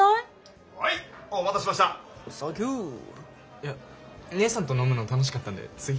いやねえさんと飲むの楽しかったんでつい。